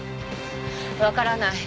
わからない。